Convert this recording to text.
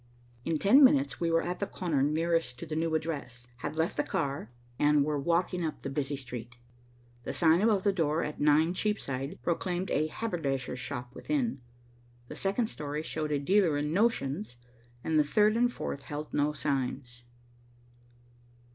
In ten minutes we were at the corner nearest to the new address, had left the car, and were walking up the busy street. The sign above the door at 9 Cheapside proclaimed a haberdasher's shop within. The second story showed a dealer in notions, and the third and fourth held no signs.